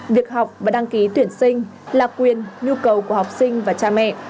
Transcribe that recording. việc học và đăng ký tuyển sinh là quyền nhu cầu của học sinh và cha mẹ